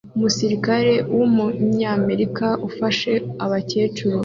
Umusirikare wumunyamerika ufasha abakecuru